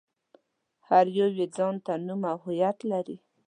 هر يو يې ځان ته نوم او هويت لري.